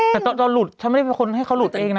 แต่ตอนหลุดฉันไม่ได้เป็นคนให้เขาหลุดตัวเองนะ